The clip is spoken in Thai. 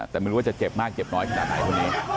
แต่ไม่รู้ว่าเจ็บมากเจ็บน้อยขนาดไหน